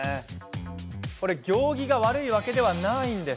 これ、行儀が悪いわけではないんです。